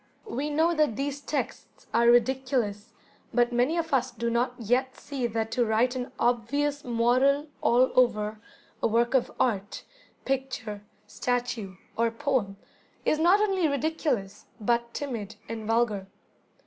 We know that these texts are ridiculous, but many of us do not yet see that to write an obvious moral all over a work of art, picture, statue, or poem, is not only ridiculous, but timid and vulgar.